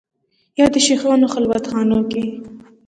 یا د شېخانو خلوت خانو کې